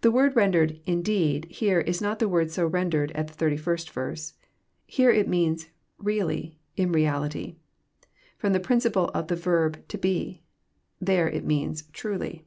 The word rendered indeed " here is not the word so ren dered at the Slst verse. Here it means <* really, in reality," Arom the participle of the verb "to be." There it means "truly.'